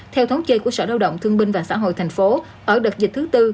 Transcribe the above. theo thống chê của sở đạo động thương minh và xã hội thành phố ở đợt dịch thứ tư